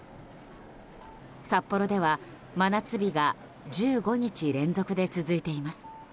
札幌では真夏日が１５日連続で続いています。